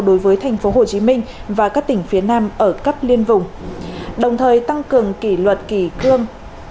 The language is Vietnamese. đối với thành phố hồ chí minh và các tỉnh phía nam ở cấp liên vùng đồng thời tăng cường kỷ luật kỳ cương